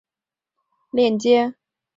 有某种程度的链接